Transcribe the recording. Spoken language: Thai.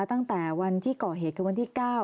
ตั้งแต่วันที่ก่อเหตุคือวันที่๙